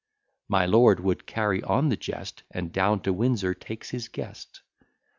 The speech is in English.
My lord would carry on the jest, And down to Windsor takes his guest.